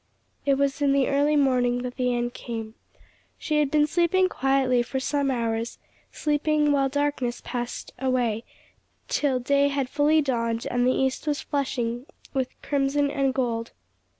It was in the early morning that the end came. She had been sleeping quietly for some hours, sleeping while darkness passed away till day had fully dawned and the east was flushing with crimson and gold.